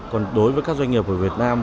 còn đối với các doanh nghiệp của việt nam